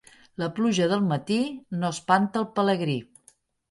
La pluja del matí no espanta el pelegrí.